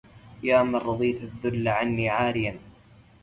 يا من رضيت الذل عني عاريا